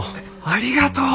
ありがとう。